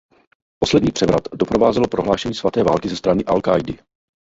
Poslední převrat doprovázelo prohlášení svaté války ze strany Al-Kájdy.